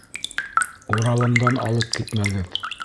Уралымдан алып китмәгеҙ.